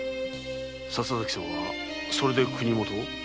笹崎さんはそれで国元を。